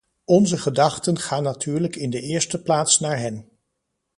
Onze gedachten gaan natuurlijk in de eerste plaats naar hen.